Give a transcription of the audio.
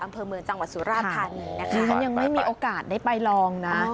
อำเภอเมืองจังหวัดสุราชธานีนะคะฉันยังไม่มีโอกาสได้ไปลองนะ